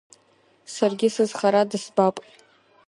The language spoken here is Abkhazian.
Саргьы сызхара дысбап.